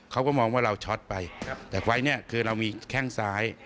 เขาก็มองว่าเราช็อตไปแต่ไฟล์เนี่ยคือเรามีแข้งซ้าย